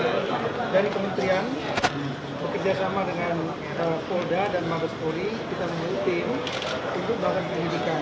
untuk itu dari kementerian bekerjasama dengan polda dan mabes poli kita memutihkan untuk melakukan pendidikan